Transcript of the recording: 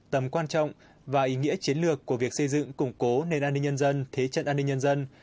tầm quan trọng và ý nghĩa chiến lược của việc xây dựng củng cố nền an ninh nhân dân thế trận an ninh nhân dân